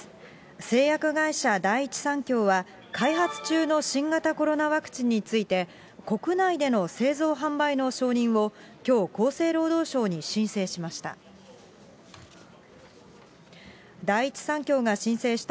製薬会社、第一三共は、開発中の新型コロナワクチンについて、国内での製造販売の承認を、きょう、厚生労働省に申請しました。